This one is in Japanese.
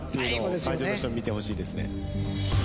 会場の人に見てほしいです。